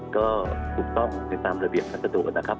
ก็ถูกต้องในตามระเบียบพัสดุนะครับ